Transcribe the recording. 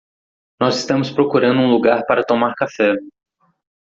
Nós estamos procurando um lugar para tomar café